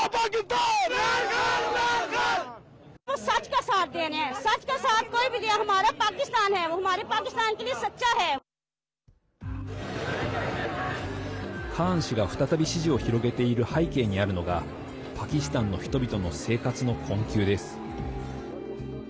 カーン氏が、再び支持を広げている背景にあるのがパキスタンの人々の生活の困窮です。